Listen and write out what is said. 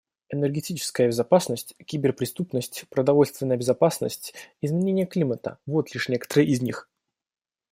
Энергетическая безопасность, киберпреступность, продовольственная безопасность, изменение климата — вот лишь некоторые из них.